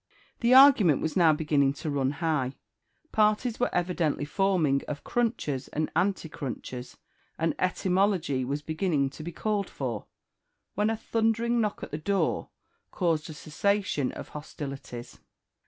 The argument was now beginning to run high; parties were evidently forming of crunchers and anticrunchers, and etymology was beginning to be called for, when a thundering knock at the door caused a cessation of hostilities.